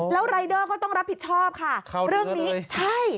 แล้วรายเดอร์ก็ต้องรับผิดชอบค่ะ